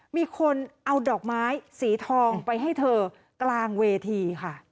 มีคนเอาดอกไม้สีทองไปให้เธอกลางเวทีค่ะ